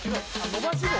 伸ばし棒？